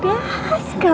ya allah ya tuhan